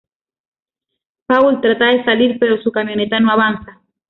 Paul trata de salir, pero su camioneta no avanza.